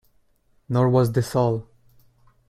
Nor was this all.